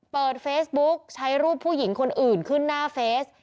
เปิดเฟซบุ๊กใช้รูปผู้หญิงคนอื่นขึ้นหน้าเฟส